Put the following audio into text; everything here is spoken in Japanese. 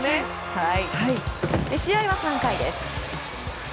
試合は３回です。